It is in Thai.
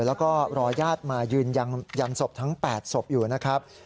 แล้วก็รอญาติมายืนยันศพทั้ง๘ศพอยู่นะครับ